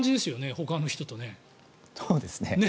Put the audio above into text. ほかの人とね。